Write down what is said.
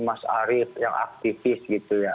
mas arief yang aktivis gitu ya